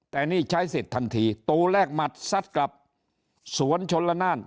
แต่นี่ใช้สิทธิ์ทันทีตูแรกหมัดซัดกลับสวนชนละนาน